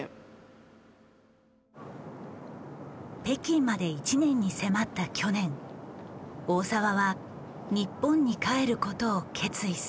北京まで１年に迫った去年大澤は日本に帰ることを決意する。